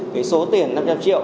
cái số tiền năm trăm linh triệu